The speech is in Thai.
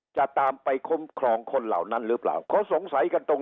จะตามไปคุ้มครองคนเหล่านั้นหรือเปล่าเขาสงสัยกันตรง